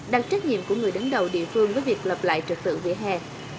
đặt trách nhiệm của người đứng đầu địa phương với việc lập lại trật tự vỉa hè